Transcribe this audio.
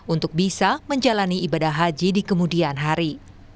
untuk bisa menjalani ibadah haji di kemudian hari